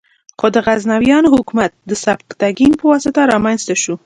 خو غزنویان حکومت د سبکتګین په واسطه رامنځته شو.